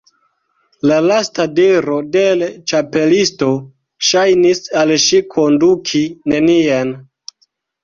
La lasta diro de l' Ĉapelisto ŝajnis al ŝi konduki nenien.